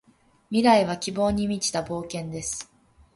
未来は希望に満ちた冒険です。